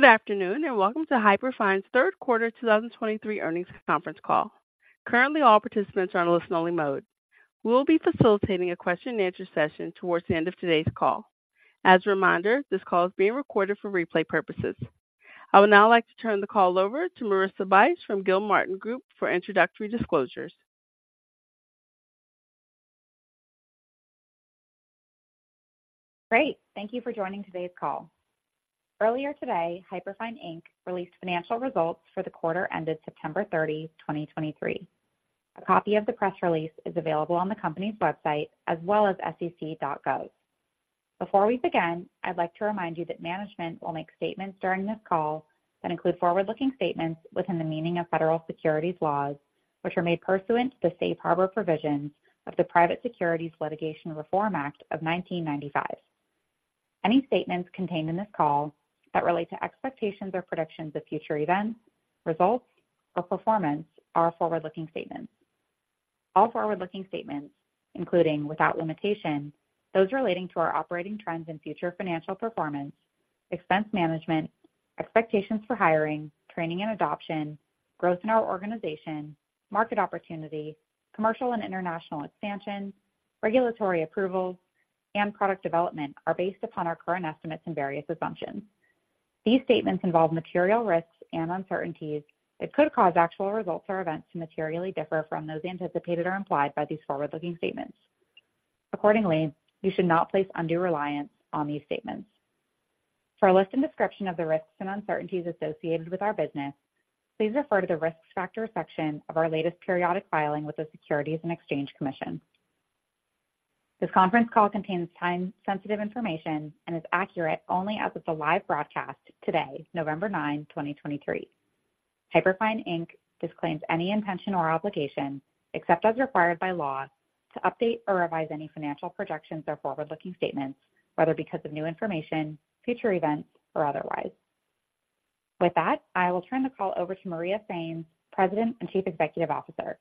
Good afternoon, and welcome to Hyperfine's Third Quarter 2023 Earnings Conference Call. Currently, all participants are on a listen-only mode. We will be facilitating a question-and-answer session towards the end of today's call. As a reminder, this call is being recorded for replay purposes. I would now like to turn the call over to Marissa Bych from Gilmartin Group for introductory disclosures. Great. Thank you for joining today's call. Earlier today, Hyperfine, Inc. released financial results for the quarter ended September 30, 2023. A copy of the press release is available on the company's website as well as sec.gov. Before we begin, I'd like to remind you that management will make statements during this call that include forward-looking statements within the meaning of federal securities laws, which are made pursuant to the Safe Harbor Provisions of the Private Securities Litigation Reform Act of 1995. Any statements contained in this call that relate to expectations or predictions of future events, results, or performance are forward-looking statements. All forward-looking statements, including, without limitation, those relating to our operating trends and future financial performance, expense management, expectations for hiring, training and adoption, growth in our organization, market opportunity, commercial and international expansion, regulatory approvals, and product development, are based upon our current estimates and various assumptions. These statements involve material risks and uncertainties that could cause actual results or events to materially differ from those anticipated or implied by these forward-looking statements. Accordingly, you should not place undue reliance on these statements. For a list and description of the risks and uncertainties associated with our business, please refer to the Risk Factors section of our latest periodic filing with the Securities and Exchange Commission. This conference call contains time-sensitive information and is accurate only as of the live broadcast today, November 9, 2023. Hyperfine, Inc. disclaims any intention or obligation, except as required by law, to update or revise any financial projections or forward-looking statements, whether because of new information, future events, or otherwise. With that, I will turn the call over to Maria Sainz, President and Chief Executive Officer.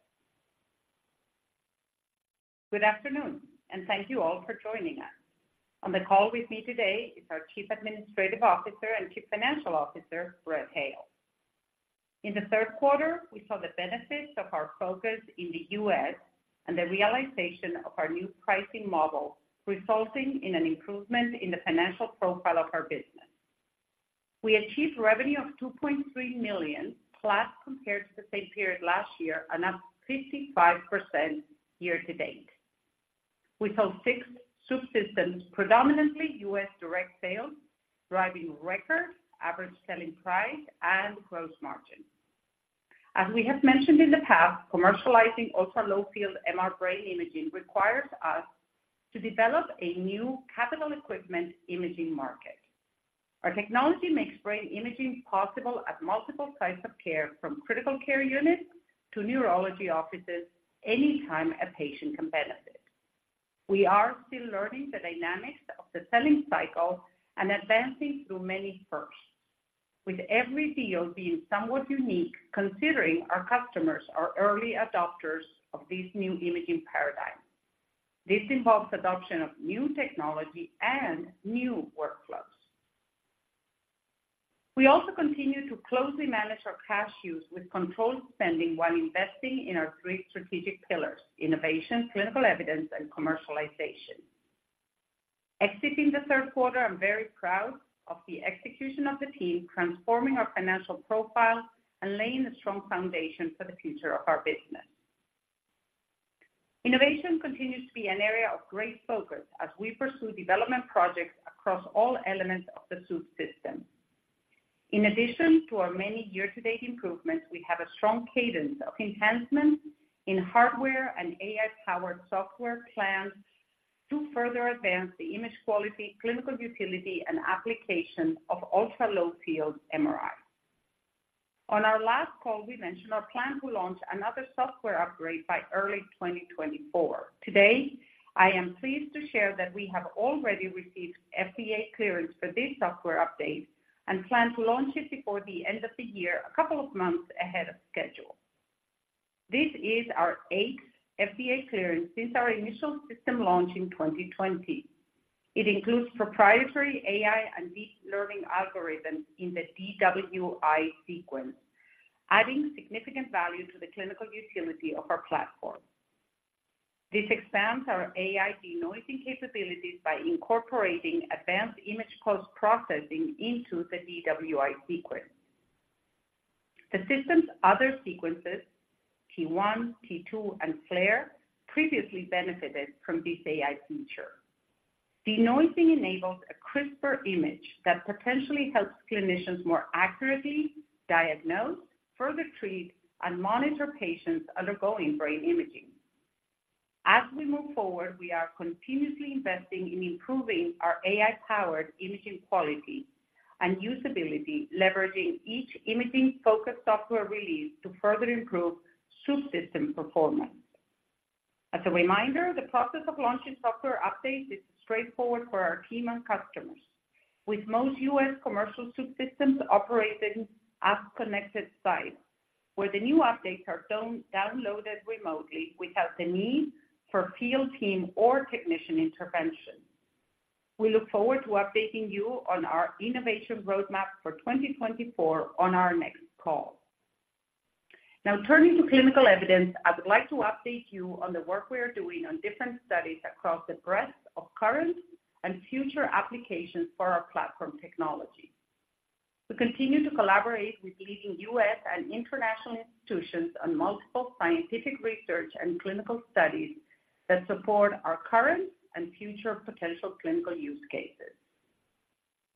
Good afternoon, and thank you all for joining us. On the call with me today is our Chief Administrative Officer and Chief Financial Officer, Brett Hale. In the third quarter, we saw the benefits of our focus in the U.S. and the realization of our new pricing model, resulting in an improvement in the financial profile of our business. We achieved revenue of $2.3 million, flat compared to the same period last year, and up 55% year-to-date. We sold six Swoop systems, predominantly U.S. direct sales, driving record average selling price and gross margin. As we have mentioned in the past, commercializing ultra-low field MR brain imaging requires us to develop a new capital equipment imaging market. Our technology makes brain imaging possible at multiple sites of care, from critical care units to neurology offices, anytime a patient can benefit. We are still learning the dynamics of the selling cycle and advancing through many firsts, with every deal being somewhat unique, considering our customers are early adopters of this new imaging paradigm. This involves adoption of new technology and new workflows. We also continue to closely manage our cash use with controlled spending while investing in our three strategic pillars: innovation, clinical evidence, and commercialization. Exiting the third quarter, I'm very proud of the execution of the team, transforming our financial profile and laying a strong foundation for the future of our business. Innovation continues to be an area of great focus as we pursue development projects across all elements of the Swoop system. In addition to our many year-to-date improvements, we have a strong cadence of enhancements in hardware and AI-powered software plans to further advance the image quality, clinical utility, and application of ultra-low field MRI. On our last call, we mentioned our plan to launch another software upgrade by early 2024. Today, I am pleased to share that we have already received FDA clearance for this software update and plan to launch it before the end of the year, a couple of months ahead of schedule. This is our eighth FDA clearance since our initial system launch in 2020. It includes proprietary AI and deep learning algorithms in the DWI sequence, adding significant value to the clinical utility of our platform. This expands our AI denoising capabilities by incorporating advanced image post-processing into the DWI sequence. The system's other sequences, T1, T2, and FLAIR, previously benefited from this AI feature. Denoising enables a crisper image that potentially helps clinicians more accurately diagnose, further treat, and monitor patients undergoing brain imaging. As we move forward, we are continuously investing in improving our AI-powered imaging quality and usability, leveraging each imaging-focused software release to further improve Swoop system performance. As a reminder, the process of launching software updates is straightforward for our team and customers, with most U.S. commercial Swoop systems operating at connected sites, where the new updates are downloaded remotely without the need for field team or technician intervention. We look forward to updating you on our innovation roadmap for 2024 on our next call. Now, turning to clinical evidence, I would like to update you on the work we are doing on different studies across the breadth of current and future applications for our platform technology. We continue to collaborate with leading U.S. and international institutions on multiple scientific research and clinical studies that support our current and future potential clinical use cases.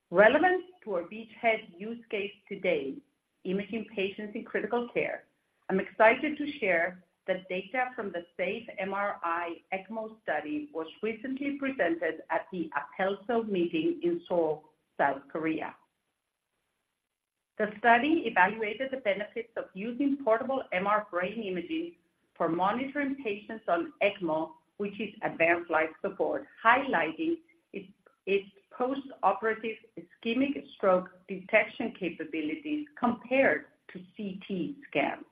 Relevant to our beachhead use case today, imaging patients in critical care, I'm excited to share that data from the SAFE-MRI ECMO study was recently presented at the APELSO meeting in Seoul, South Korea. The study evaluated the benefits of using portable MR brain imaging for monitoring patients on ECMO, which is advanced life support, highlighting its postoperative ischemic stroke detection capabilities compared to CT scans,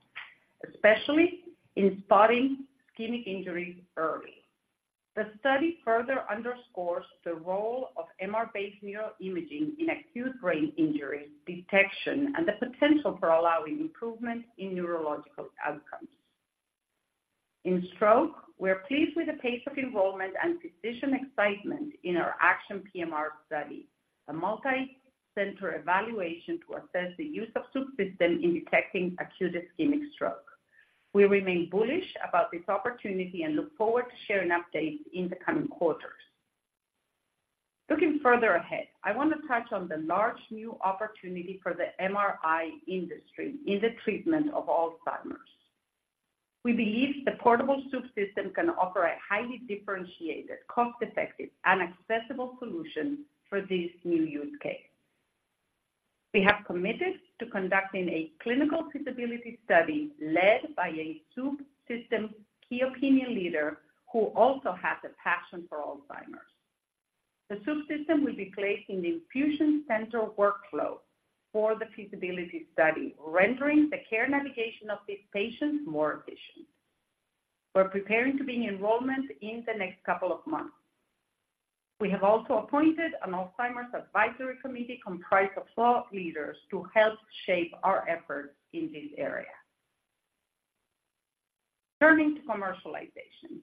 especially in spotting ischemic injuries early. The study further underscores the role of MR-based neuroimaging in acute brain injury detection and the potential for allowing improvement in neurological outcomes. In stroke, we are pleased with the pace of enrollment and physician excitement in our ACTION PMR Study, a multicenter evaluation to assess the use of Swoop system in detecting acute ischemic stroke. We remain bullish about this opportunity and look forward to sharing updates in the coming quarters. Looking further ahead, I want to touch on the large new opportunity for the MRI industry in the treatment of Alzheimer's. We believe the portable Swoop system can offer a highly differentiated, cost-effective, and accessible solution for this new use case. We have committed to conducting a clinical feasibility study led by a Swoop system key opinion leader, who also has a passion for Alzheimer's. The Swoop system will be placed in the infusion center workflow for the feasibility study, rendering the care navigation of these patients more efficient. We're preparing to begin enrollment in the next couple of months. We have also appointed an Alzheimer's Advisory Committee comprised of thought leaders to help shape our efforts in this area. Turning to commercialization.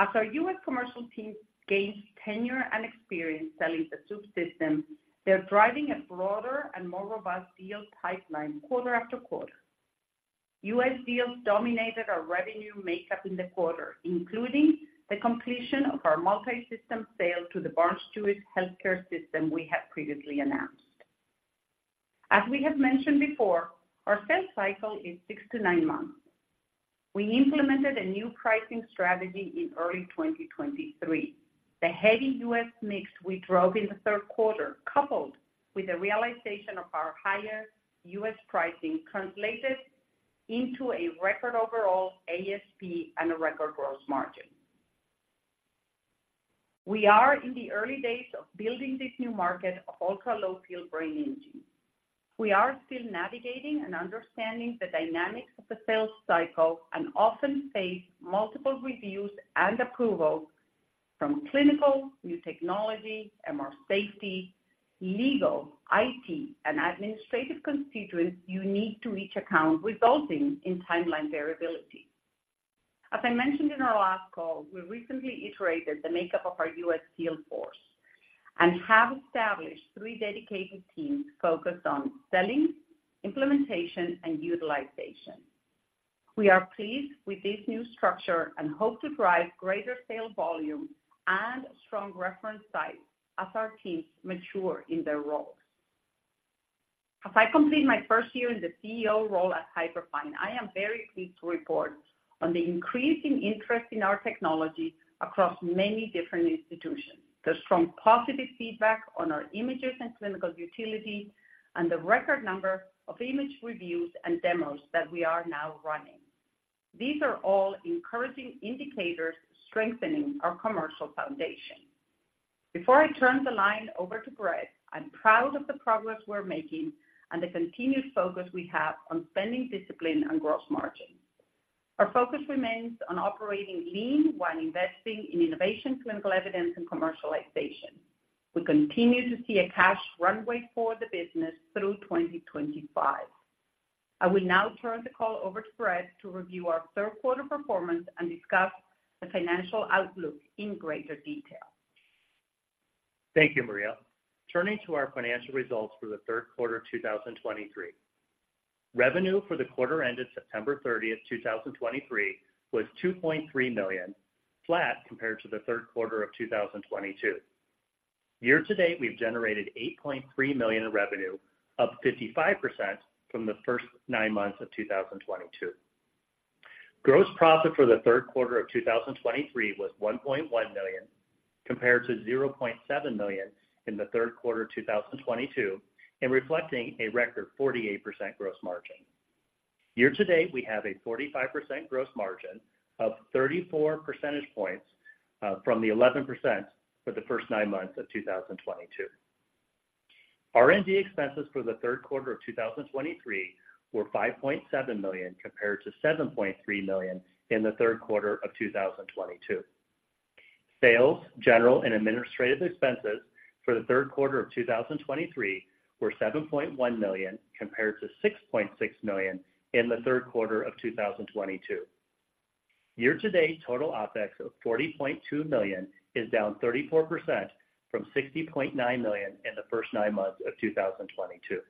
As our U.S. commercial team gains tenure and experience selling the Swoop system, they're driving a broader and more robust deal pipeline quarter-after-quarter. U.S. deals dominated our revenue makeup in the quarter, including the completion of our multisystem sale to the Barnes-Jewish healthcare system we had previously announced. As we have mentioned before, our sales cycle is six-nine months. We implemented a new pricing strategy in early 2023. The heavy U.S. mix we drove in the third quarter, coupled with the realization of our higher U.S. pricing, translated into a record overall ASP and a record gross margin. We are in the early days of building this new market of ultra-low field brain imaging. We are still navigating and understanding the dynamics of the sales cycle and often face multiple reviews and approvals from clinical, new technology, MR safety, legal, IT, and administrative constituents you need to each account, resulting in timeline variability. As I mentioned in our last call, we recently iterated the makeup of our U.S. sales force and have established three dedicated teams focused on selling, implementation, and utilization. We are pleased with this new structure and hope to drive greater sales volume and strong reference sites as our teams mature in their roles. As I complete my first year in the CEO role at Hyperfine, I am very pleased to report on the increasing interest in our technology across many different institutions, the strong positive feedback on our images and clinical utility, and the record number of image reviews and demos that we are now running. These are all encouraging indicators strengthening our commercial foundation. Before I turn the line over to Brett, I'm proud of the progress we're making and the continued focus we have on spending discipline and gross margin. Our focus remains on operating lean while investing in innovation, clinical evidence, and commercialization. We continue to see a cash runway for the business through 2025. I will now turn the call over to Brett to review our third quarter performance and discuss the financial outlook in greater detail. Thank you, Maria. Turning to our financial results for the third quarter of 2023. Revenue for the quarter ended September 30, 2023, was $2.3 million, flat compared to the third quarter of 2022. Year-to-date, we've generated $8.3 million in revenue, up 55% from the first nine months of 2022. Gross profit for the third quarter of 2023 was $1.1 million, compared to $0.7 million in the third quarter of 2022, and reflecting a record 48% gross margin. Year-to-date, we have a 45% gross margin, up 34 percentage points from the 11% for the first nine months of 2022. R&D expenses for the third quarter of 2023 were $5.7 million, compared to $7.3 million in the third quarter of 2022. Sales, general, and administrative expenses for the third quarter of 2023 were $7.1 million, compared to $6.6 million in the third quarter of 2022. Year-to-date total OpEx of $40.2 million is down 34% from $60.9 million in the first nine months of 2022.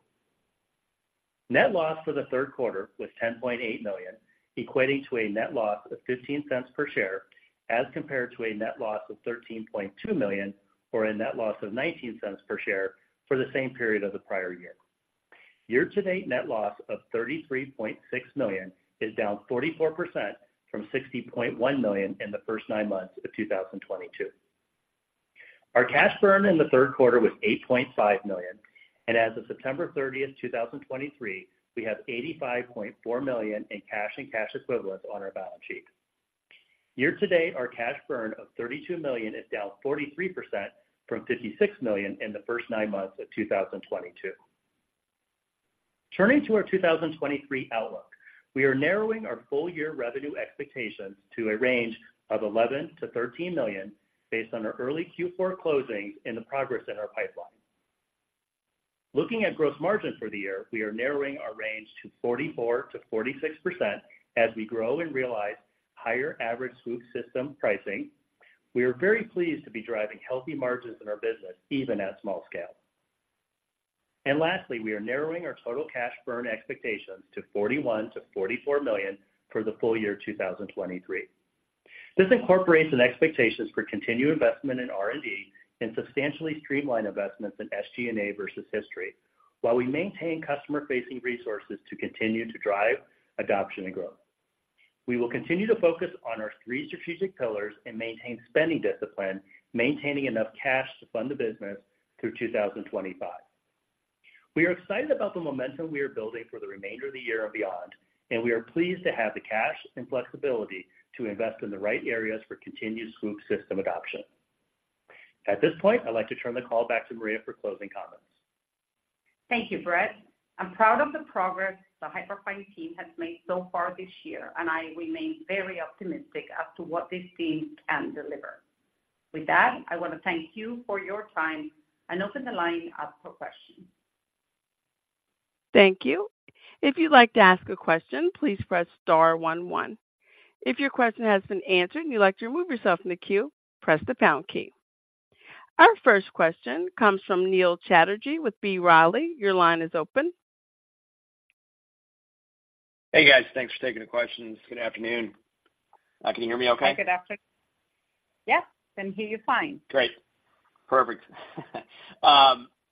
Net loss for the third quarter was $10.8 million, equating to a net loss of $0.15 per share, as compared to a net loss of $13.2 million, or a net loss of $0.19 per share for the same period of the prior year. Year-to-date net loss of $33.6 million is down 44% from $60.1 million in the first nine months of 2022. Our cash burn in the third quarter was $8.5 million, and as of September 30th, 2023, we have $85.4 million in cash and cash equivalents on our balance sheet. Year-to-date, our cash burn of $32 million is down 43% from $56 million in the first nine months of 2022. Turning to our 2023 outlook, we are narrowing our full year revenue expectations to a range of $11 million-$13 million based on our early Q4 closings and the progress in our pipeline. Looking at gross margin for the year, we are narrowing our range to 44%-46% as we grow and realize higher average Swoop system pricing. We are very pleased to be driving healthy margins in our business, even at small scale. And lastly, we are narrowing our total cash burn expectations to $41 million-$44 million for the full year 2023. This incorporates an expectations for continued investment in R&D and substantially streamline investments in SG&A versus history, while we maintain customer-facing resources to continue to drive adoption and growth. We will continue to focus on our three strategic pillars and maintain spending discipline, maintaining enough cash to fund the business through 2025. We are excited about the momentum we are building for the remainder of the year and beyond, and we are pleased to have the cash and flexibility to invest in the right areas for continued Swoop system adoption. At this point, I'd like to turn the call back to Maria for closing comments. Thank you, Brett. I'm proud of the progress the Hyperfine team has made so far this year, and I remain very optimistic as to what this team can deliver. With that, I want to thank you for your time and open the line up for questions. Thank you. If you'd like to ask a question, please press star one, one. If your question has been answered and you'd like to remove yourself from the queue, press the pound key. Our first question comes from Neil Chatterji with B. Riley. Your line is open. Hey, guys. Thanks for taking the questions. Good afternoon. Can you hear me okay? Yep, can hear you fine. Great. Perfect.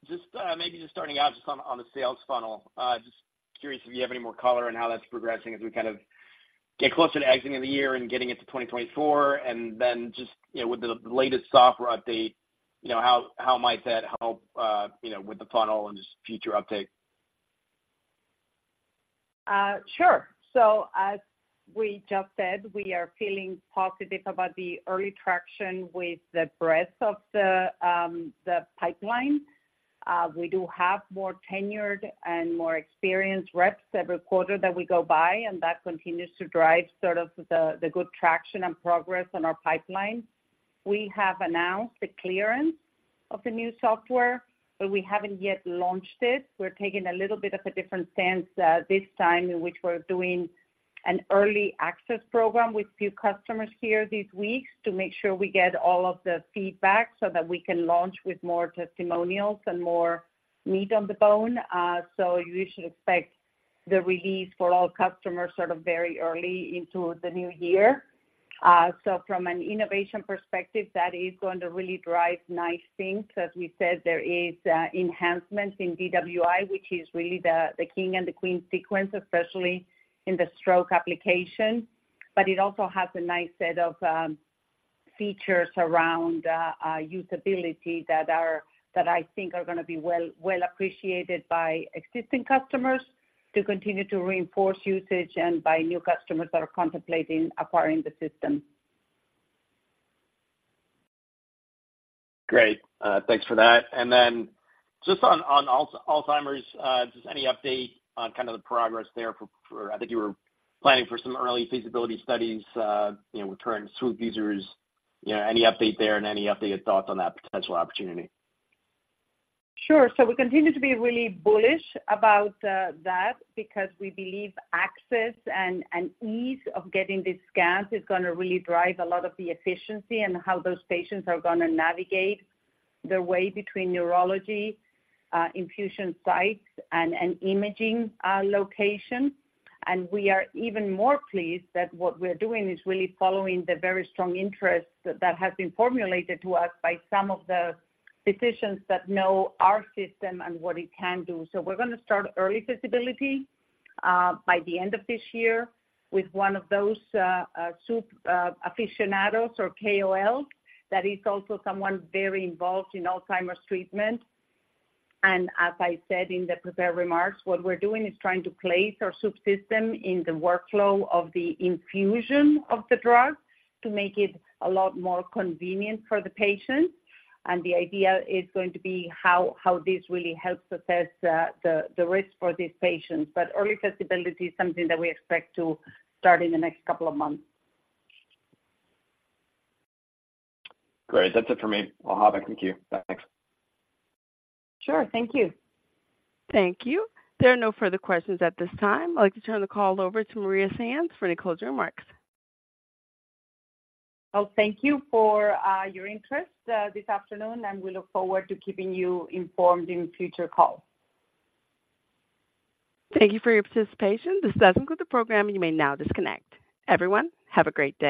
Just, maybe just starting out just on, on the sales funnel. Just curious if you have any more color on how that's progressing as we kind of get closer to exiting the year and getting into 2024. And then just, you know, with the latest software update, you know, how, how might that help, you know, with the funnel and just future uptake? Sure. So as we just said, we are feeling positive about the early traction with the breadth of the pipeline. We do have more tenured and more experienced reps every quarter that we go by, and that continues to drive sort of the good traction and progress on our pipeline. We have announced the clearance of the new software, but we haven't yet launched it. We're taking a little bit of a different stance this time, in which we're doing an early access program with few customers here this week, to make sure we get all of the feedback so that we can launch with more testimonials and more meat on the bone. So you should expect the release for all customers sort of very early into the new year. So from an innovation perspective, that is going to really drive nice things. As we said, there is enhancements in DWI, which is really the king and the queen sequence, especially in the stroke application. But it also has a nice set of features around usability that are... that I think are gonna be well appreciated by existing customers to continue to reinforce usage and by new customers that are contemplating acquiring the system. Great, thanks for that. And then just on Alzheimer's, just any update on kind of the progress there for... I think you were planning for some early feasibility studies, you know, with current Swoop users. You know, any update there and any updated thoughts on that potential opportunity? Sure. So we continue to be really bullish about that because we believe access and ease of getting these scans is gonna really drive a lot of the efficiency and how those patients are gonna navigate their way between neurology, infusion sites, and imaging locations. And we are even more pleased that what we're doing is really following the very strong interest that has been formulated to us by some of the physicians that know our system and what it can do. So we're gonna start early feasibility by the end of this year with one of those Swoop aficionados or KOLs. That is also someone very involved in Alzheimer's treatment. As I said in the prepared remarks, what we're doing is trying to place our Swoop system in the workflow of the infusion of the drug to make it a lot more convenient for the patient. The idea is going to be how this really helps assess the risk for these patients. Early feasibility is something that we expect to start in the next couple of months. Great. That's it for me. I'll hop back. Thank you. Thanks. Sure. Thank you. Thank you. There are no further questions at this time. I'd like to turn the call over to Maria Sainz for any closing remarks. Well, thank you for your interest this afternoon, and we look forward to keeping you informed in future calls. Thank you for your participation. This does end the program. You may now disconnect. Everyone, have a great day.